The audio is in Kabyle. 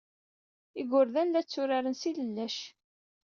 Igerdan la tturaren s yilellac.